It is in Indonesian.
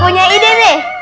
punya ide deh